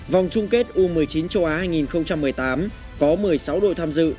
vòng chung kết u một mươi chín châu á hai nghìn một mươi tám có một mươi sáu đội tham dự